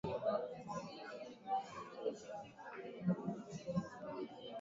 kuhakikisha jamuhuri ya kidemokrasia ya Kongo inaunganishwa